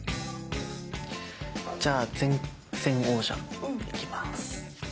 じゃあ前前王者いきます。